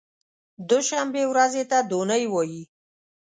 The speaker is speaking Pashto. دوشنبې ورځې ته دو نۍ وایی